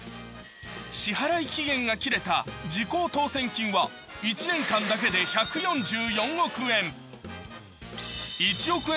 支払い期限が切れた時効当選金は１年間だけで１４４億円。